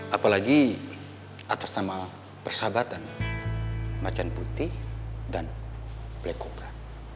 apalagi atas nama persahabatan macan putih dan black copra